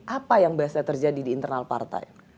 apa yang biasanya terjadi di internal partai